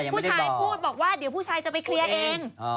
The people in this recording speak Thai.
ผู้ชายพูดบอกว่าเดี๋ยวผู้ชายจะไปเคลียร์เอง